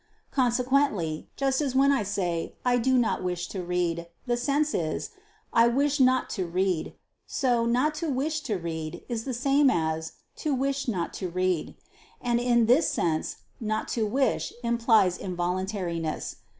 Consequently just as when I say "I do not wish to read," the sense is, "I wish not to read"; so "not to wish to read" is the same as "to wish not to read," and in this sense "not to wish" implies involuntariness.